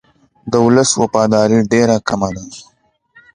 د ولس وفاداري ډېره کمه ده.